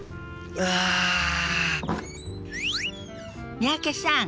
三宅さん